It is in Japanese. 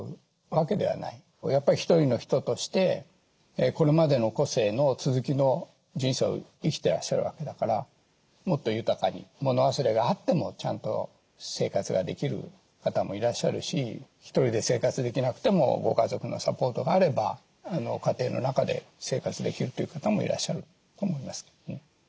やっぱり一人の人としてこれまでの個性の続きの人生を生きてらっしゃるわけだからもっと豊かに物忘れがあってもちゃんと生活ができる方もいらっしゃるし一人で生活できなくてもご家族のサポートがあれば家庭の中で生活できるという方もいらっしゃると思います。